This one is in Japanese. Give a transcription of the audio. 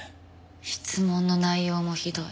質問の内容もひどい。